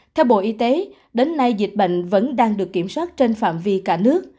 theo bộ y tế đến nay dịch bệnh vẫn đang được kiểm soát trên phạm vi cả nước